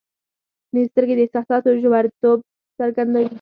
• شنې سترګې د احساساتو ژوریتوب څرګندوي.